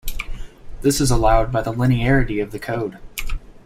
This is allowed by the linearity of the code.